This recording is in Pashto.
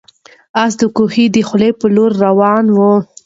آس د کوهي د خولې په لور روان و.